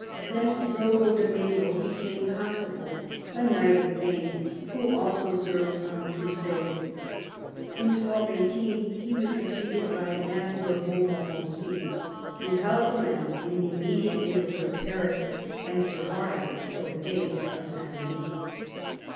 Then Drogo de Mello became constable, a knight of fame, who also served on the crusade. In 1218 he was succeeded by Matthew of Montmorency, who held land in the immediate neighbourhood of Paris, and survived till the days of S. Louis.